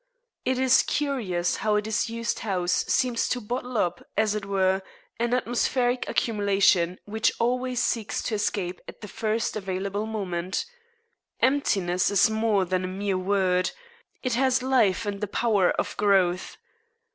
It is curious how a disused house seems to bottle up, as it were, an atmospheric accumulation which always seeks to escape at the first available moment. Emptiness is more than a mere word; it has life and the power of growth.